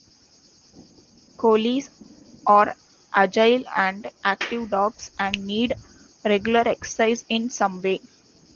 Collies are agile and active dogs and need regular exercise in some way.